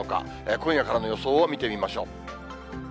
今夜からの予想を見てみましょう。